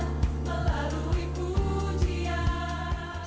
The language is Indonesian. mengkarisasi iman melalui pujian